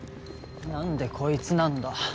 なんでこいつなんだ？